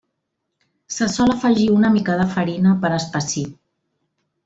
Se sol afegir una mica de farina per espessir.